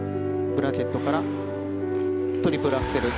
ブラケットからトリプルアクセル。